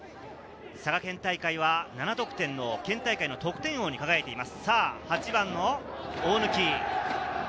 佐賀県大会は７得点、県大会得点王に輝いています。